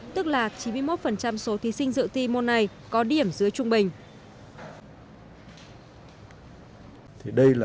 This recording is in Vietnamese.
tức là chín mươi một số thí sinh dự thi môn này có điểm dưới trung bình